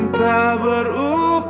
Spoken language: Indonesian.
engkau jauh di situ